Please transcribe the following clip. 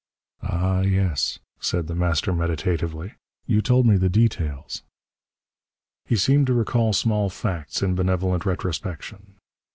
"Ah, yes," said The Master meditatively. "You told me the details." He seemed to recall small facts in benevolent retrospection.